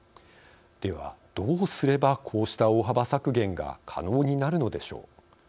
では、どうすればこうした大幅削減が可能になるのでしょう。